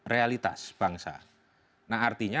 realitas bangsa nah artinya